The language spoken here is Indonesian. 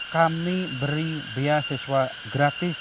kami beri biaya siswa gratis